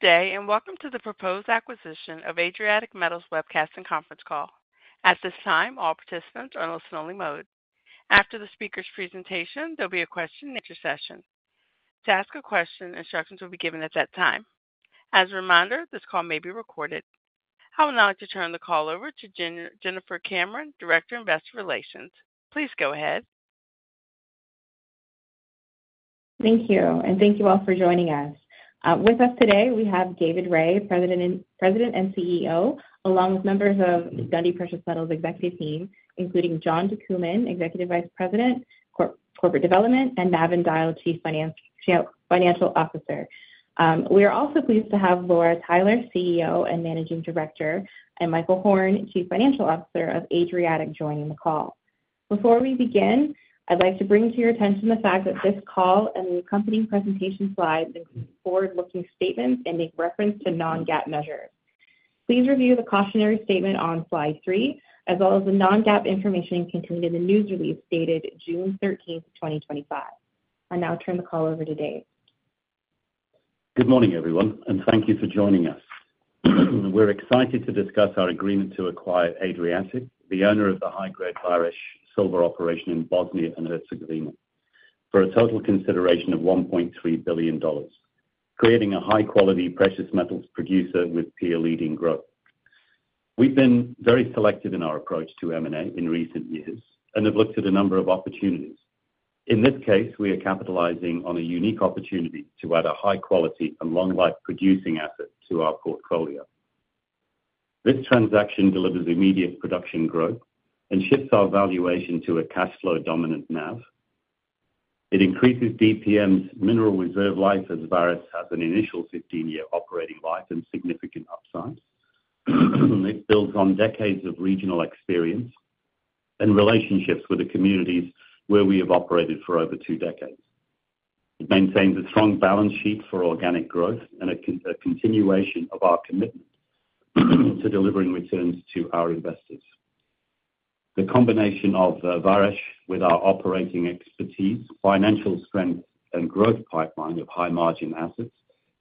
Good day, and welcome to the proposed acquisition of Adriatic Metals Webcast and Conference Call. At this time, all participants are in listen-only mode. After the speaker's presentation, there'll be a question-and-answer session. To ask a question, instructions will be given at that time. As a reminder, this call may be recorded. I will now turn the call over to Jennifer Cameron, Director of Investor Relations. Please go ahead. Thank you, and thank you all for joining us. With us today, we have David Rae, President and CEO, along with members of Dundee Precious Metals' executive team, including John DeCooman, Executive Vice President, Corporate Development, and Navin Dyal, Chief Financial Officer. We are also pleased to have Laura Tyler, CEO and Managing Director, and Michael Horn, Chief Financial Officer of Adriatic, joining the call. Before we begin, I'd like to bring to your attention the fact that this call and the accompanying presentation slides include forward-looking statements and make reference to non-GAAP measures. Please review the cautionary statement on slide three, as well as the non-GAAP information contained in the news release dated June 13, 2025. I now turn the call over to Dave. Good morning, everyone, and thank you for joining us. We're excited to discuss our agreement to acquire Adriatic Metals, the owner of the high-grade Vares Silver Operation in Bosnia and Herzegovina, for a total consideration of $1.3 billion, creating a high-quality precious metals producer with peer-leading growth. We've been very selective in our approach to M&A in recent years and have looked at a number of opportunities. In this case, we are capitalizing on a unique opportunity to add a high-quality and long-life producing asset to our portfolio. This transaction delivers immediate production growth and shifts our valuation to a cash flow dominant NAV. It increases DPM's mineral reserve life as Vares has an initial 15-year operating life and significant upside. It builds on decades of regional experience and relationships with the communities where we have operated for over two decades. It maintains a strong balance sheet for organic growth and a continuation of our commitment to delivering returns to our investors. The combination of Vares with our operating expertise, financial strength, and growth pipeline of high-margin assets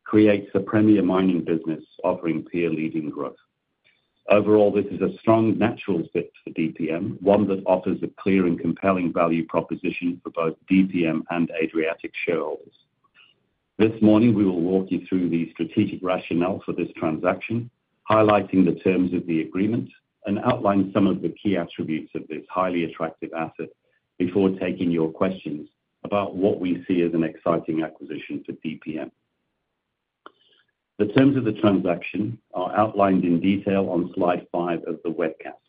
creates a premier mining business offering peer-leading growth. Overall, this is a strong natural fit for DPM, one that offers a clear and compelling value proposition for both DPM and Adriatic shareholders. This morning, we will walk you through the strategic rationale for this transaction, highlighting the terms of the agreement and outline some of the key attributes of this highly attractive asset before taking your questions about what we see as an exciting acquisition for DPM. The terms of the transaction are outlined in detail on slide five of the webcast.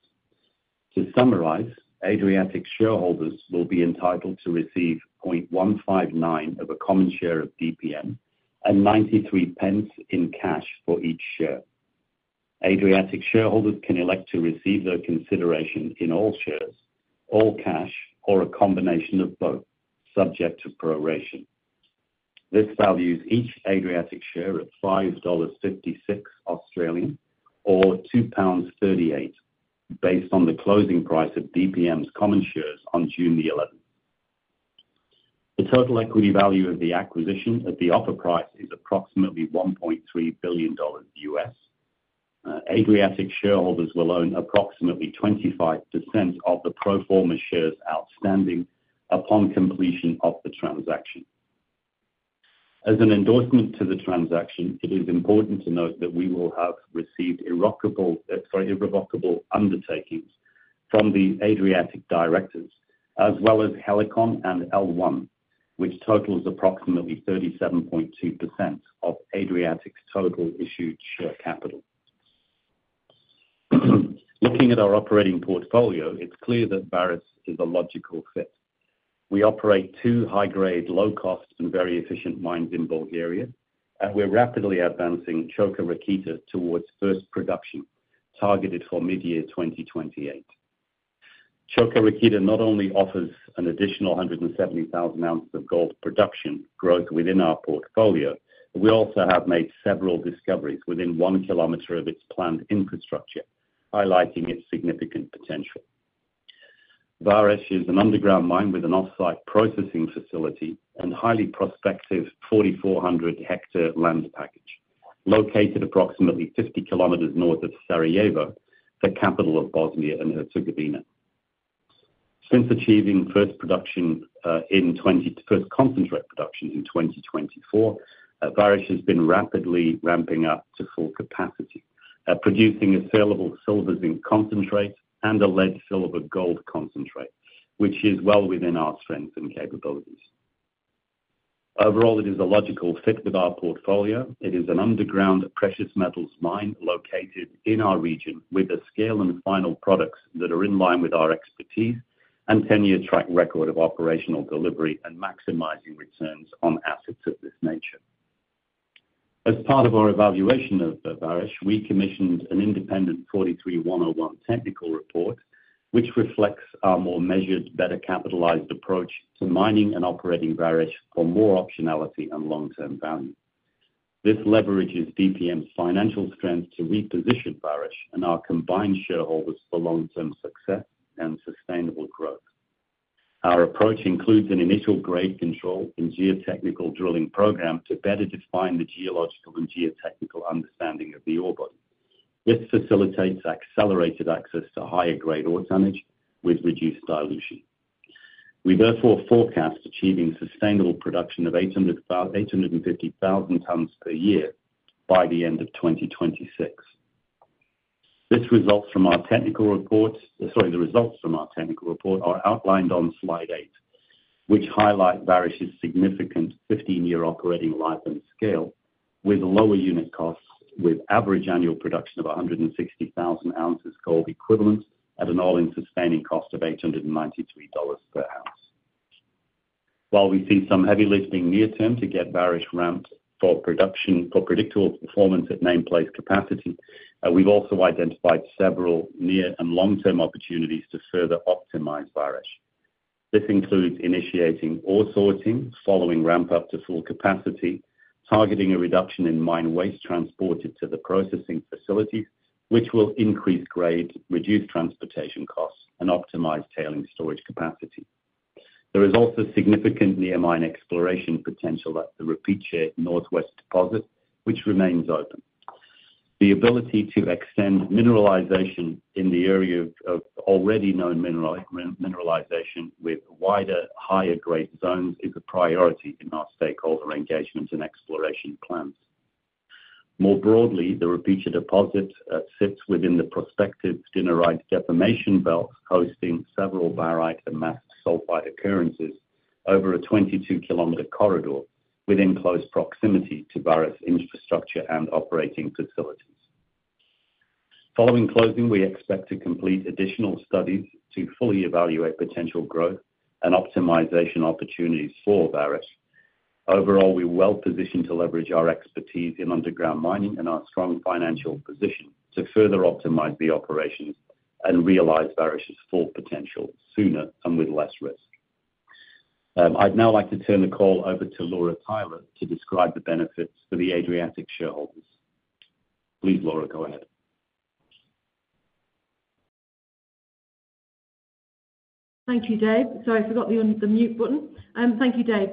To summarize, Adriatic shareholders will be entitled to receive 0.159 of a common share of DPM and 0.93 in cash for each share. Adriatic shareholders can elect to receive their consideration in all shares, all cash, or a combination of both, subject to proration. This values each Adriatic share at 5.56 Australian dollars or 2.38 pounds, based on the closing price of DPM's common shares on June the 11th. The total equity value of the acquisition at the offer price is approximately $1.3 billion. Adriatic shareholders will own approximately 25% of the pro forma shares outstanding upon completion of the transaction. As an endorsement to the transaction, it is important to note that we will have received irrevocable undertakings from the Adriatic directors, as well as Helicon and L1 Capital, which totals approximately 37.2% of Adriatic's total issued share capital. Looking at our operating portfolio, it's clear that Vares is a logical fit. We operate two high-grade, low-cost, and very efficient mines in Bulgaria, and we're rapidly advancing Coka Rakita towards first production targeted for mid-year 2028. Coka Rakita not only offers an additional 170,000 ounces of gold production growth within our portfolio, but we also have made several discoveries within one kilometer of its planned infrastructure, highlighting its significant potential. Vares is an underground mine with an offsite processing facility and highly prospective 4,400-hectare land package located approximately 50 kilometers north of Sarajevo, the capital of Bosnia and Herzegovina. Since achieving first production in 2024, first concentrate production in 2024, Vares has been rapidly ramping up to full capacity, producing a saleable silver-zinc concentrate and a lead-silver-gold concentrate, which is well within our strengths and capabilities. Overall, it is a logical fit with our portfolio. It is an underground precious metals mine located in our region with a scale and final products that are in line with our expertise and a 10-year track record of operational delivery and maximizing returns on assets of this nature. As part of our evaluation of Vares, we commissioned an independent 43-101 technical report, which reflects our more measured, better capitalized approach to mining and operating Vares for more optionality and long-term value. This leverages DPM's financial strength to reposition Vares and our combined shareholders for long-term success and sustainable growth. Our approach includes an initial grade control and geotechnical drilling program to better define the geological and geotechnical understanding of the ore body. This facilitates accelerated access to higher-grade ore tonnage with reduced dilution. We therefore forecast achieving sustainable production of 850,000 tons per year by the end of 2026. The results from our technical report are outlined on slide eight, which highlight Vares's significant 15-year operating life and scale with lower unit costs, with average annual production of 160,000 ounces of gold equivalent at an all-in sustaining cost of $893 per ounce. While we see some heavy lifting near term to get Vares ramped for predictable performance at nameplate capacity, we have also identified several near and long-term opportunities to further optimize Vares. This includes initiating ore sorting, following ramp-up to full capacity, targeting a reduction in mine waste transported to the processing facilities, which will increase grade, reduce transportation costs, and optimize tailings storage capacity. There is also significant near-mine exploration potential at the Rupice Northwest Deposit, which remains open. The ability to extend mineralization in the area of already known mineralization with wider, higher-grade zones is a priority in our stakeholder engagements and exploration plans. More broadly, the Rupice deposit sits within the prospective Dinaric deformation belt, hosting several Vares and mass sulfide occurrences over a 22 km corridor within close proximity to Vares infrastructure and operating facilities. Following closing, we expect to complete additional studies to fully evaluate potential growth and optimization opportunities for Vares. Overall, we're well positioned to leverage our expertise in underground mining and our strong financial position to further optimize the operations and realize Vares's full potential sooner and with less risk. I'd now like to turn the call over to Laura Tyler to describe the benefits for the Adriatic shareholders. Please, Laura, go ahead. Thank you, Dave. Sorry, I forgot the mute button. Thank you, Dave.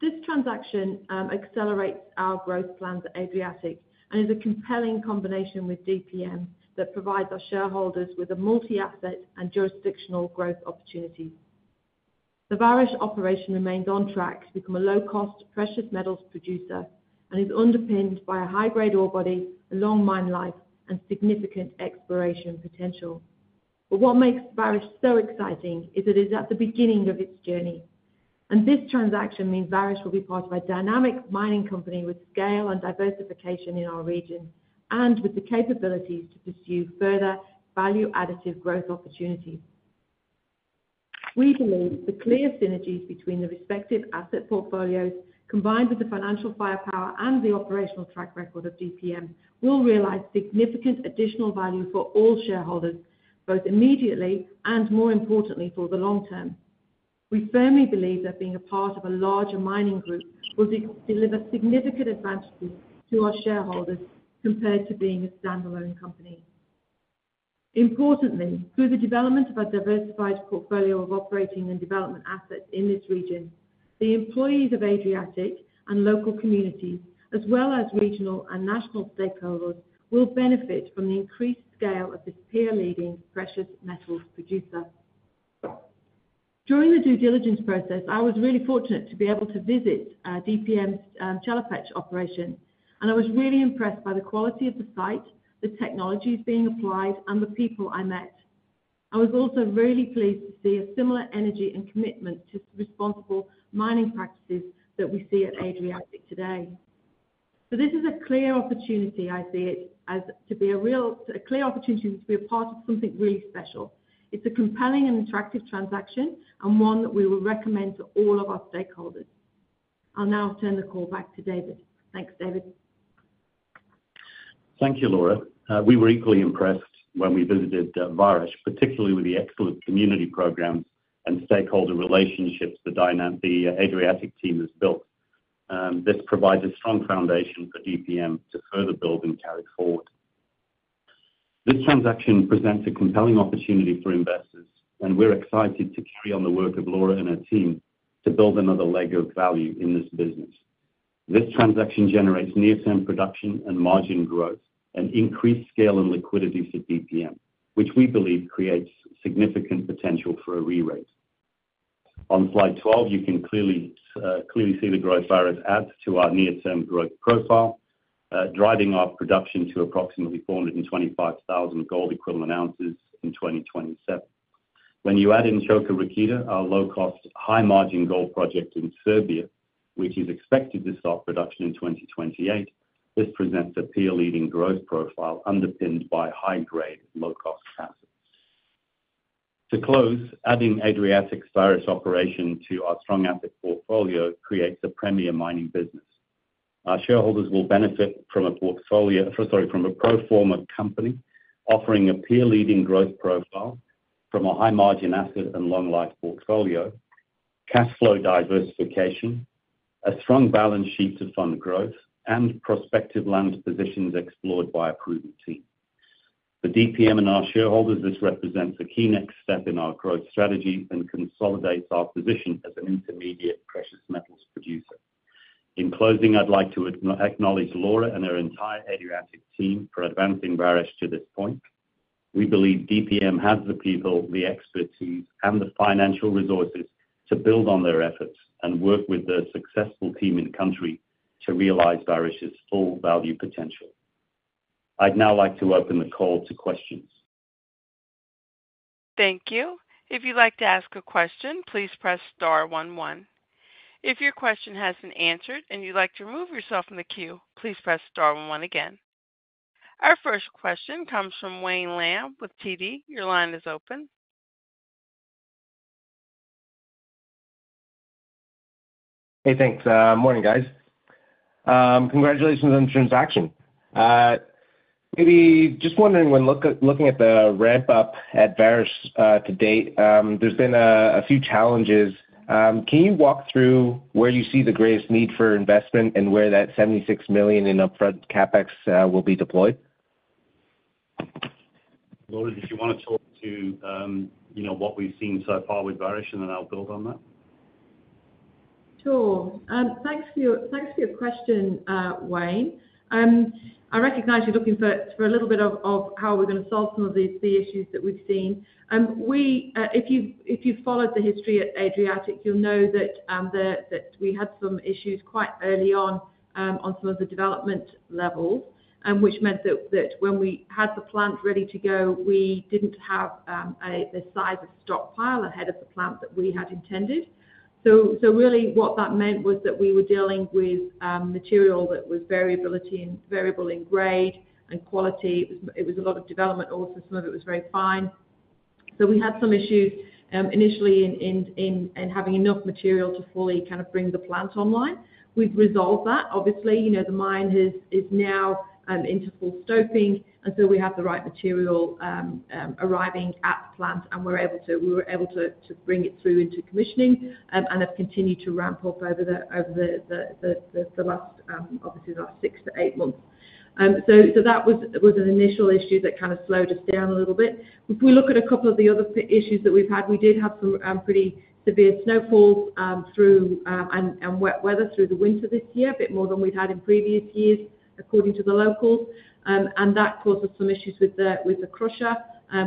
This transaction accelerates our growth plans at Adriatic and is a compelling combination with DPM that provides our shareholders with a multi-asset and jurisdictional growth opportunity. The Vares Operation remains on track to become a low-cost precious metals producer and is underpinned by a high-grade ore body, long mine life, and significant exploration potential. What makes Vares so exciting is that it is at the beginning of its journey. This transaction means Vares will be part of a dynamic mining company with scale and diversification in our region and with the capabilities to pursue further value-additive growth opportunities. We believe the clear synergies between the respective asset portfolios, combined with the financial firepower and the operational track record of DPM, will realize significant additional value for all shareholders, both immediately and, more importantly, for the long term. We firmly believe that being a part of a larger mining group will deliver significant advantages to our shareholders compared to being a standalone company. Importantly, through the development of a diversified portfolio of operating and development assets in this region, the employees of Adriatic and local communities, as well as regional and national stakeholders, will benefit from the increased scale of this peer-leading precious metals producer. During the due diligence process, I was really fortunate to be able to visit DPM's Chelopech operation, and I was really impressed by the quality of the site, the technologies being applied, and the people I met. I was also really pleased to see a similar energy and commitment to responsible mining practices that we see at Adriatic today. This is a clear opportunity; I see it as to be a real clear opportunity to be a part of something really special. It's a compelling and attractive transaction and one that we will recommend to all of our stakeholders. I'll now turn the call back to David. Thanks, David. Thank you, Laura. We were equally impressed when we visited Vares, particularly with the excellent community programs and stakeholder relationships the Adriatic team has built. This provides a strong foundation for DPM to further build and carry forward. This transaction presents a compelling opportunity for investors, and we're excited to carry on the work of Laura and her team to build another leg of value in this business. This transaction generates near-term production and margin growth and increased scale and liquidity for DPM, which we believe creates significant potential for a re-rate. On slide 12, you can clearly see the growth Vares adds to our near-term growth profile, driving our production to approximately 425,000 gold equivalent ounces in 2027. When you add in Coka Rakita, our low-cost, high-margin gold project in Serbia, which is expected to start production in 2028, this presents a peer-leading growth profile underpinned by high-grade, low-cost assets. To close, adding Adriatic's Vares operation to our strong asset portfolio creates a premier mining business. Our shareholders will benefit from a pro forma company offering a peer-leading growth profile from a high-margin asset and long-life portfolio, cash flow diversification, a strong balance sheet to fund growth, and prospective land positions explored by a proven team. For DPM and our shareholders, this represents a key next step in our growth strategy and consolidates our position as an intermediate precious metals producer. In closing, I'd like to acknowledge Laura and her entire Adriatic team for advancing Vares to this point. We believe DPM has the people, the expertise, and the financial resources to build on their efforts and work with the successful team in country to realize Vares's full value potential. I'd now like to open the call to questions. Thank you. If you'd like to ask a question, please press star 11. If your question hasn't been answered and you'd like to remove yourself from the queue, please press star 11 again. Our first question comes from Wayne Lamb with TD Securities. Your line is open. Hey, thanks. Morning, guys. Congratulations on the transaction. Maybe just wondering, when looking at the ramp-up at Vares to date, there's been a few challenges. Can you walk through where you see the greatest need for investment and where that $76 million in upfront CapEx will be deployed? Laura, did you want to talk to what we've seen so far with Vares, and then I'll build on that? Sure. Thanks for your question, Wayne. I recognize you're looking for a little bit of how we're going to solve some of the issues that we've seen. If you've followed the history at Adriatic, you'll know that we had some issues quite early on on some of the development levels, which meant that when we had the plant ready to go, we didn't have the size of stockpile ahead of the plant that we had intended. Really, what that meant was that we were dealing with material that was variable in grade and quality. It was a lot of development, also. Some of it was very fine. We had some issues initially in having enough material to fully kind of bring the plant online. We've resolved that, obviously. The mine is now into full stoping, and we have the right material arriving at the plant, and we were able to bring it through into commissioning and have continued to ramp up over the last, obviously, the last six to eight months. That was an initial issue that kind of slowed us down a little bit. If we look at a couple of the other issues that we've had, we did have some pretty severe snowfalls and wet weather through the winter this year, a bit more than we've had in previous years, according to the locals. That caused us some issues with the crusher,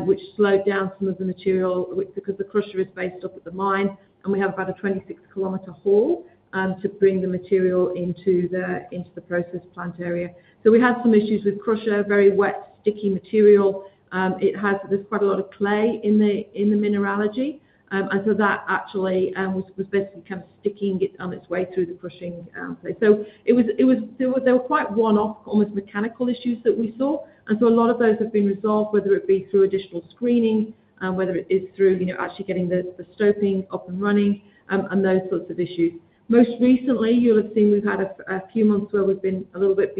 which slowed down some of the material because the crusher is based up at the mine, and we have about a 26 km haul to bring the material into the process plant area. We had some issues with the crusher, very wet, sticky material. There is quite a lot of clay in the mineralogy, and that actually was basically kind of sticking on its way through the crushing place. There were quite one-off, almost mechanical issues that we saw, and a lot of those have been resolved, whether it be through additional screening, whether it is through actually getting the stopping up and running, and those sorts of issues. Most recently, you'll have seen we've had a few months where we've been a little bit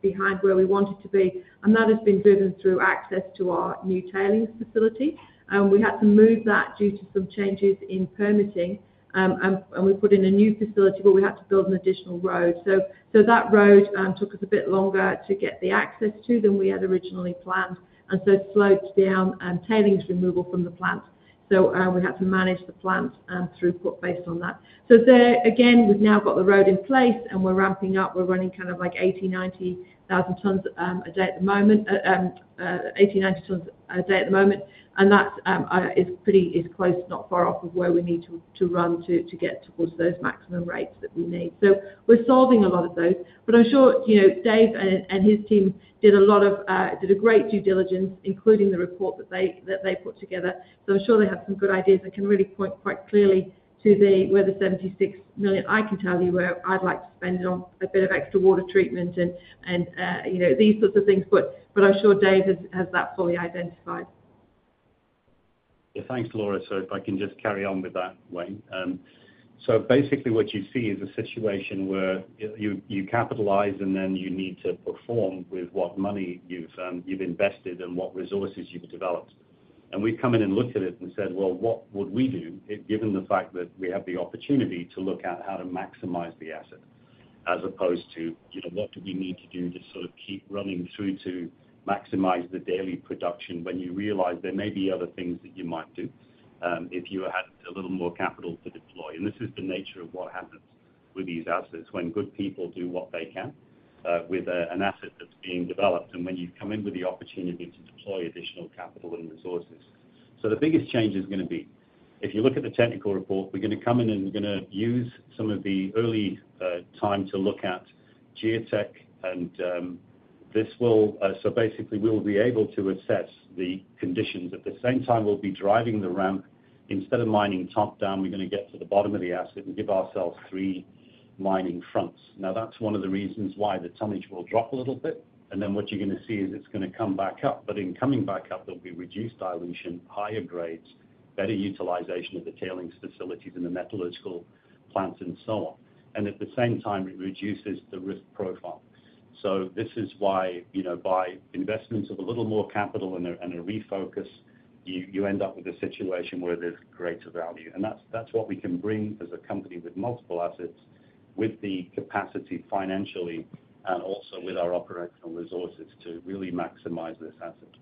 behind where we wanted to be, and that has been driven through access to our new tailings facility. We had to move that due to some changes in permitting, and we put in a new facility, but we had to build an additional road. That road took us a bit longer to get the access to than we had originally planned, and it slowed down tailings removal from the plant. We had to manage the plant throughput based on that. There, again, we have now got the road in place, and we are ramping up. We are running kind of like 80,000-90,000 tons a day at the moment, and that is close, not far off of where we need to run to get towards those maximum rates that we need. We are solving a lot of those, but I am sure Dave and his team did a great due diligence, including the report that they put together. I'm sure they have some good ideas and can really point quite clearly to where the $76 million, I can tell you where I'd like to spend it on, a bit of extra water treatment and these sorts of things, but I'm sure Dave has that fully identified. Thanks, Laura. If I can just carry on with that, Wayne. Basically, what you see is a situation where you capitalize, and then you need to perform with what money you've invested and what resources you've developed. We've come in and looked at it and said, "What would we do, given the fact that we have the opportunity to look at how to maximize the asset as opposed to what do we need to do to sort of keep running through to maximize the daily production when you realize there may be other things that you might do if you had a little more capital to deploy?" This is the nature of what happens with these assets when good people do what they can with an asset that's being developed and when you come in with the opportunity to deploy additional capital and resources. The biggest change is going to be if you look at the technical report, we're going to come in and we're going to use some of the early time to look at geotech, and this will, so basically, we'll be able to assess the conditions. At the same time, we'll be driving the ramp. Instead of mining top-down, we're going to get to the bottom of the asset and give ourselves three mining fronts. Now, that's one of the reasons why the tonnage will drop a little bit, and then what you're going to see is it's going to come back up, but in coming back up, there'll be reduced dilution, higher grades, better utilization of the tailings facilities and the metallurgical plants and so on. At the same time, it reduces the risk profile. This is why by investments of a little more capital and a refocus, you end up with a situation where there is greater value. That is what we can bring as a company with multiple assets, with the capacity financially and also with our operational resources to really maximize this asset.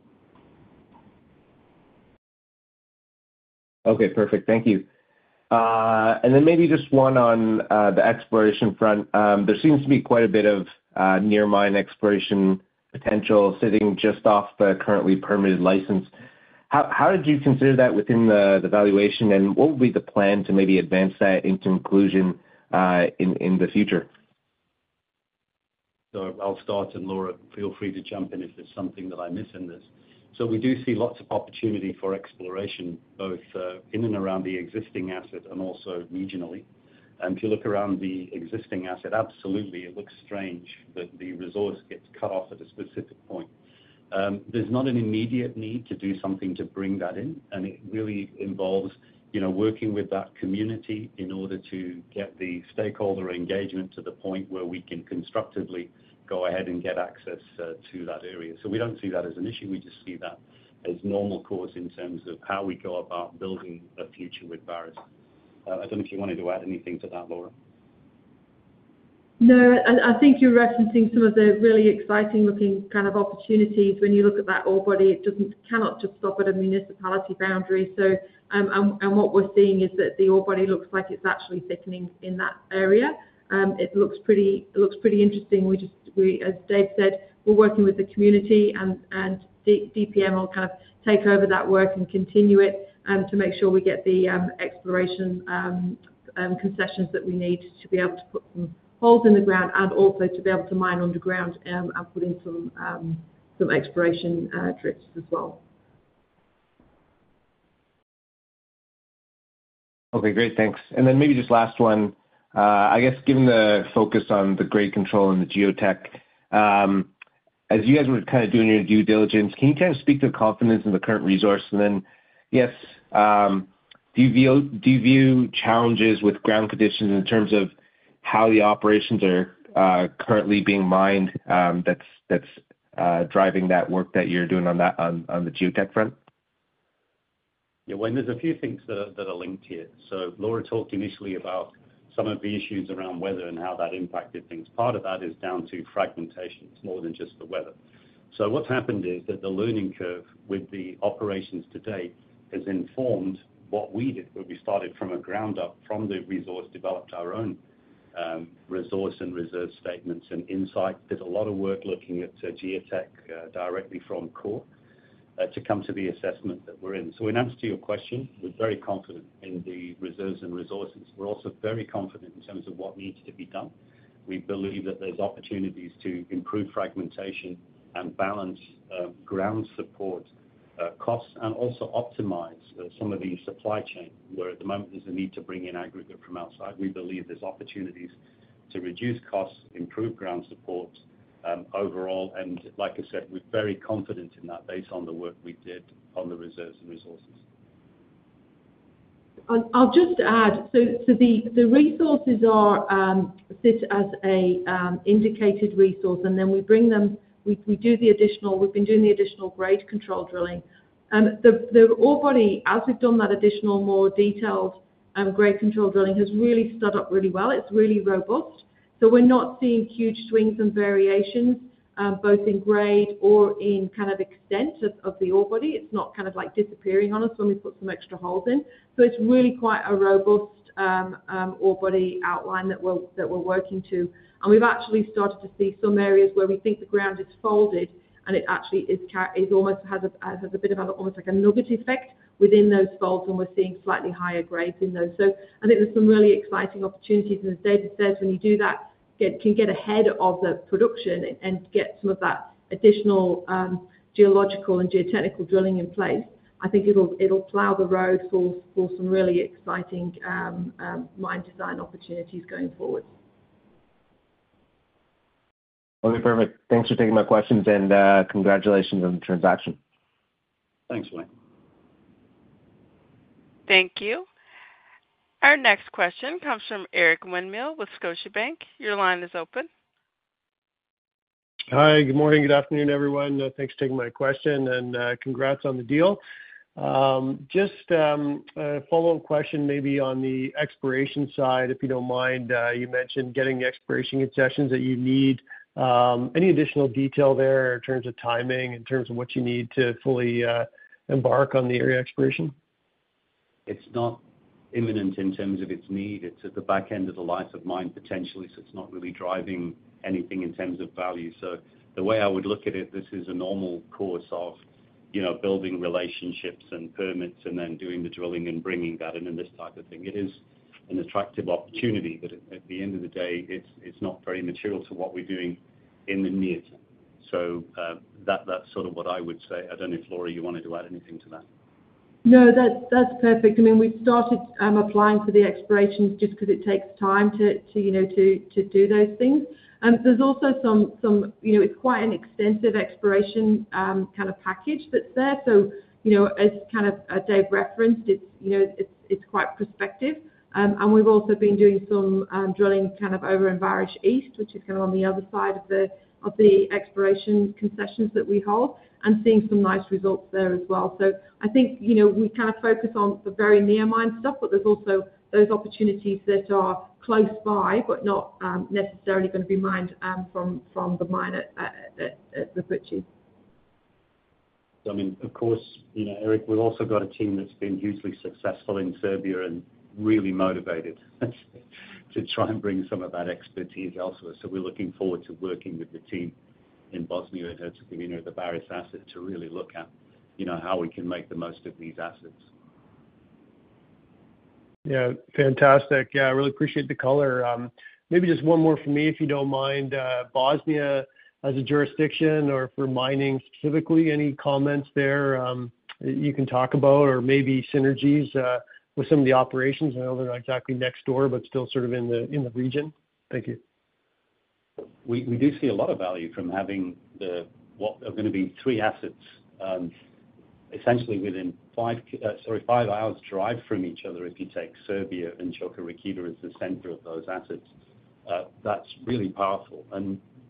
Okay, perfect. Thank you. Maybe just one on the exploration front. There seems to be quite a bit of near-mine exploration potential sitting just off the currently permitted license. How did you consider that within the valuation, and what would be the plan to maybe advance that into inclusion in the future? I'll start, and Laura, feel free to jump in if there's something that I miss in this. We do see lots of opportunity for exploration both in and around the existing asset and also regionally. If you look around the existing asset, absolutely, it looks strange that the resource gets cut off at a specific point. There's not an immediate need to do something to bring that in, and it really involves working with that community in order to get the stakeholder engagement to the point where we can constructively go ahead and get access to that area. We don't see that as an issue. We just see that as normal course in terms of how we go about building a future with Vares. I don't know if you wanted to add anything to that, Laura. No, and I think you're referencing some of the really exciting-looking kind of opportunities. When you look at that ore body, it cannot just stop at a municipality boundary. What we're seeing is that the ore body looks like it's actually thickening in that area. It looks pretty interesting. As Dave said, we're working with the community, and DPM will kind of take over that work and continue it to make sure we get the exploration concessions that we need to be able to put some holes in the ground and also to be able to mine underground and put in some exploration drifts as well. Okay, great. Thanks. Maybe just last one. I guess given the focus on the grade control and the geotech, as you guys were kind of doing your due diligence, can you kind of speak to the confidence in the current resource? Yes, do you view challenges with ground conditions in terms of how the operations are currently being mined that's driving that work that you're doing on the geotech front? Yeah, Wayne, there's a few things that are linked here. Laura talked initially about some of the issues around weather and how that impacted things. Part of that is down to fragmentation. It's more than just the weather. What's happened is that the learning curve with the operations to date has informed what we did. We started from the ground up, from the resource, developed our own resource and reserve statements and insight, did a lot of work looking at geotech directly from core to come to the assessment that we're in. In answer to your question, we're very confident in the reserves and resources. We're also very confident in terms of what needs to be done. We believe that there's opportunities to improve fragmentation and balance ground support costs and also optimize some of the supply chain where at the moment there's a need to bring in aggregate from outside. We believe there's opportunities to reduce costs, improve ground support overall. Like I said, we're very confident in that based on the work we did on the reserves and resources. I'll just add, so the resources sit as an indicated resource, and then we do the additional, we've been doing the additional grade control drilling. The ore body, as we've done that additional, more detailed grade control drilling, has really stood up really well. It's really robust. We're not seeing huge swings and variations both in grade or in kind of extent of the ore body. It's not kind of like disappearing on us when we put some extra holes in. It's really quite a robust ore body outline that we're working to. We've actually started to see some areas where we think the ground is folded, and it actually almost has a bit of an almost like a nugget effect within those folds, and we're seeing slightly higher grades in those. I think there's some really exciting opportunities. As David says, when you do that, can get ahead of the production and get some of that additional geological and geotechnical drilling in place, I think it'll plow the road for some really exciting mine design opportunities going forward. Okay, perfect. Thanks for taking my questions, and congratulations on the transaction. Thanks, Wayne. Thank you. Our next question comes from Eric Winmill with Scotiabank. Your line is open. Hi, good morning, good afternoon, everyone. Thanks for taking my question, and congrats on the deal. Just a follow-up question maybe on the exploration side, if you don't mind. You mentioned getting the exploration concessions that you need. Any additional detail there in terms of timing, in terms of what you need to fully embark on the area exploration? It's not imminent in terms of its need. It's at the back end of the life of mine, potentially, so it's not really driving anything in terms of value. The way I would look at it, this is a normal course of building relationships and permits and then doing the drilling and bringing that in and this type of thing. It is an attractive opportunity, but at the end of the day, it's not very material to what we're doing in the near term. That's sort of what I would say. I don't know if, Laura, you wanted to add anything to that. No, that's perfect. I mean, we've started applying for the exploration just because it takes time to do those things. There's also some, it's quite an extensive exploration kind of package that's there. As kind of Dave referenced, it's quite prospective. We've also been doing some drilling over in Vares East, which is on the other side of the exploration concessions that we hold, and seeing some nice results there as well. I think we focus on the very near mine stuff, but there's also those opportunities that are close by but not necessarily going to be mined from the mine at the Rupice. I mean, of course, Eric, we've also got a team that's been hugely successful in Serbia and really motivated to try and bring some of that expertise elsewhere. We are looking forward to working with the team in Bosnia and Herzegovina at the Vares asset to really look at how we can make the most of these assets. Yeah, fantastic. Yeah, I really appreciate the color. Maybe just one more from me, if you don't mind. Bosnia as a jurisdiction or for mining specifically, any comments there you can talk about or maybe synergies with some of the operations? I know they're not exactly next door, but still sort of in the region. Thank you. We do see a lot of value from having what are going to be three assets essentially within, sorry, five hours' drive from each other, if you take Serbia and Cukaru Peki as the center of those assets. That's really powerful.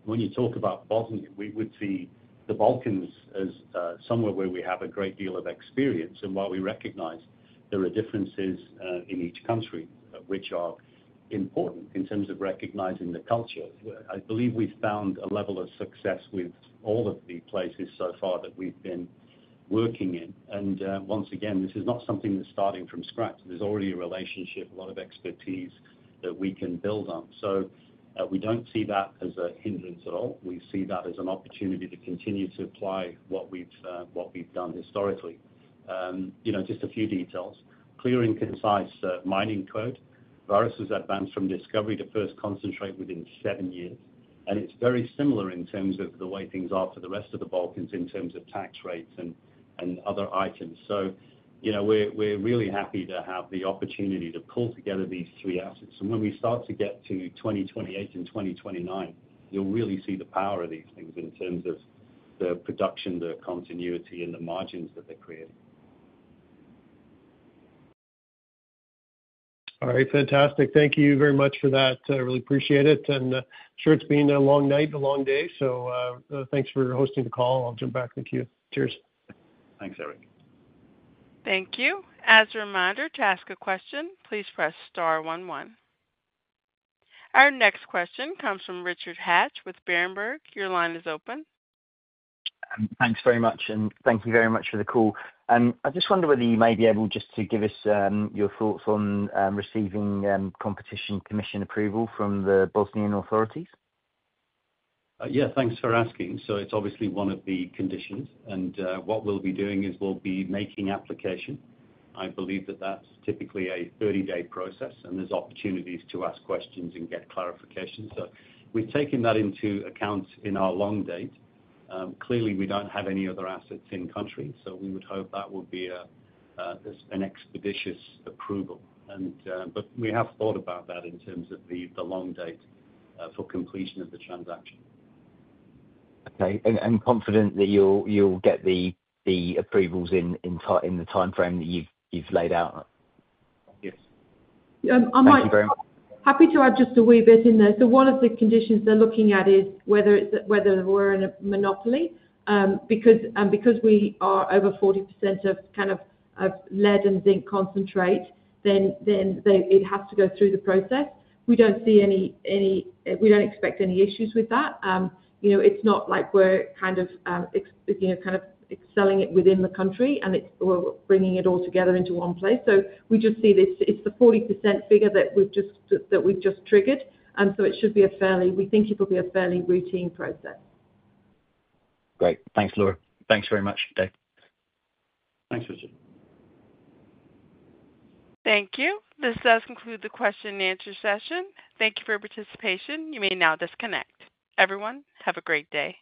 When you talk about Bosnia, we would see the Balkans as somewhere where we have a great deal of experience. While we recognize there are differences in each country, which are important in terms of recognizing the culture, I believe we've found a level of success with all of the places so far that we've been working in. Once again, this is not something that's starting from scratch. There's already a relationship, a lot of expertise that we can build on. We don't see that as a hindrance at all. We see that as an opportunity to continue to apply what we've done historically. Just a few details. Clear and concise mining code. Vares has advanced from discovery to first concentrate within seven years. It is very similar in terms of the way things are for the rest of the Balkans in terms of tax rates and other items. We are really happy to have the opportunity to pull together these three assets. When we start to get to 2028 and 2029, you will really see the power of these things in terms of the production, the continuity, and the margins that they create. All right, fantastic. Thank you very much for that. I really appreciate it. I'm sure it's been a long night, a long day. Thanks for hosting the call. I'll jump back to you. Cheers. Thanks, Eric. Thank you. As a reminder, to ask a question, please press star 11. Our next question comes from Richard Hatch with Berenberg. Your line is open. Thanks very much, and thank you very much for the call. I just wonder whether you may be able just to give us your thoughts on receiving competition commission approval from the Bosnian authorities. Yeah, thanks for asking. So it's obviously one of the conditions. And what we'll be doing is we'll be making application. I believe that that's typically a 30-day process, and there's opportunities to ask questions and get clarification. So we've taken that into account in our long date. Clearly, we don't have any other assets in-country, so we would hope that would be an expeditious approval. But we have thought about that in terms of the long date for completion of the transaction. Okay, and confident that you'll get the approvals in the timeframe that you've laid out. Yes. I might. Thank you very much. Happy to add just a wee bit in there. One of the conditions they're looking at is whether we're in a monopoly. Because we are over 40% of kind of lead and zinc concentrate, then it has to go through the process. We don't see any, we don't expect any issues with that. It's not like we're selling it within the country, and we're bringing it all together into one place. We just see this, it's the 40% figure that we've just triggered. It should be a fairly, we think it'll be a fairly routine process. Great. Thanks, Laura. Thanks very much, Dave. Thanks, Richard. Thank you. This does conclude the question-and-answer session. Thank you for your participation. You may now disconnect. Everyone, have a great day.